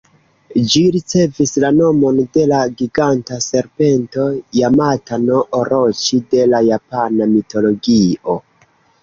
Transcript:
Ĝi ricevis la nomon de la giganta serpento Jamata-no-Oroĉi de la japana mitologio.